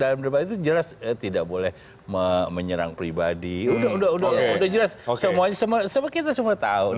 dalam debat itu jelas tidak boleh menyerang pribadi udah jelas kita semua tahu